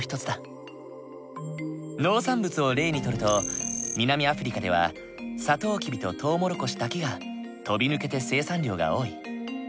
農産物を例にとると南アフリカではさとうきびととうもろこしだけが飛び抜けて生産量が多い。